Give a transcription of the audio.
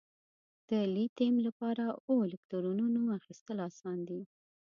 د لیتیم لپاره اووه الکترونو اخیستل آسان دي؟